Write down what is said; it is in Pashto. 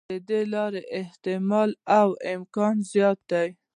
د دې لارې احتمال او امکان زیات دی.